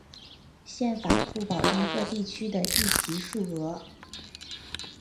宪法不保证各地区的议席数额。